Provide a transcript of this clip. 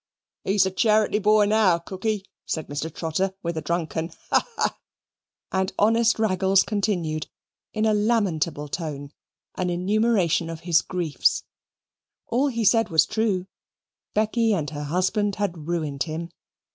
"He's a charaty boy now, Cooky," said Mr. Trotter, with a drunken "ha! ha!" and honest Raggles continued, in a lamentable tone, an enumeration of his griefs. All he said was true. Becky and her husband had ruined him.